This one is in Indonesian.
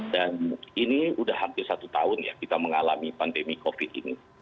dan ini sudah hampir satu tahun ya kita mengalami pandemi covid ini